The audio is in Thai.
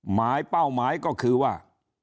เป้าหมายก็คือว่า